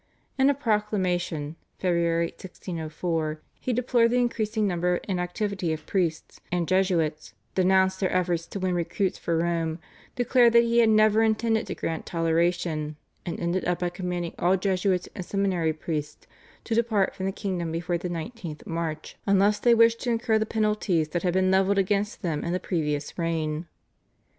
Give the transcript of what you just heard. In a proclamation (Feb. 1604) he deplored the increasing number and activity of priests and Jesuits, denounced their efforts to win recruits for Rome, declared that he had never intended to grant toleration, and ended up by commanding all Jesuits and seminary priests to depart from the kingdom before the 19th March, unless they wished to incur the penalties that had been levelled against them in the previous reign.